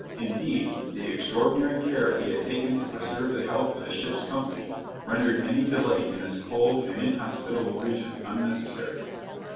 Indeed the extraordinary care he had taken to preserve the health of the ship's company rendered any delay in this cold and inhospitable region unnecessary.